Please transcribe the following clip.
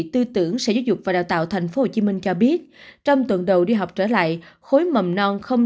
tư tưởng sở giáo dục và đào tạo tp hcm cho biết trong tuần đầu đi học trở lại khối mầm non không